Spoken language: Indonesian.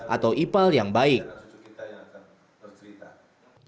atau ipal yang bisa diperlukan untuk mengembangkan